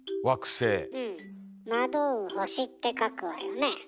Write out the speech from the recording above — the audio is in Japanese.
「惑う星」って書くわよね。